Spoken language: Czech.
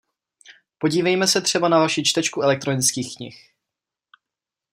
Podívejme se třeba na vaši čtečku elektronických knih.